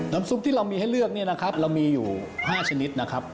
ซุปที่เรามีให้เลือกเนี่ยนะครับเรามีอยู่๕ชนิดนะครับ